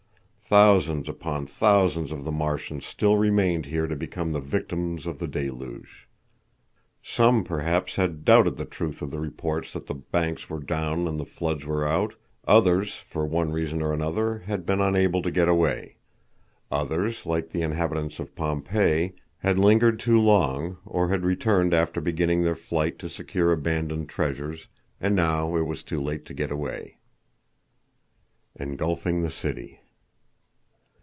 Thousands upon thousands of the Martians still remained here to become the victims of the deluge. Some, perhaps, had doubted the truth of the reports that the banks were down and the floods were out; others, for one reason or another had been unable to get away; others, like the inhabitants of Pompeii, had lingered too long, or had returned after beginning their flight to secure abandoned treasures, and now it was too late to get away. Engulfing the City.